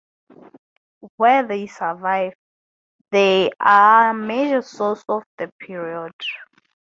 Where they survive, they are a major source for the period.